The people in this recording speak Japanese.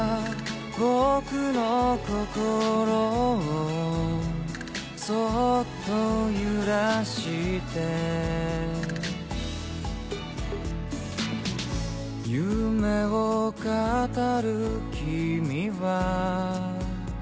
「僕の心をそっと揺らして」「夢を語る君は」